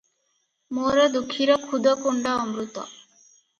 ମୋର ଦୁଃଖୀର ଖୁଦ କୁଣ୍ଡା ଅମୃତ ।